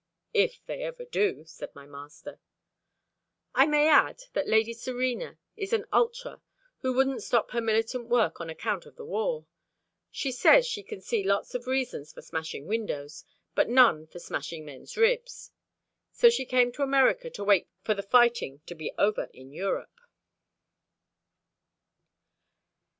"If they ever do," said my master. I may add that Lady Serena is an ultra who wouldn't stop her militant work on account of the war. She says she can see lots of reasons for smashing windows, but none for smashing men's ribs. So she came to America to wait for the fighting to be over in Europe.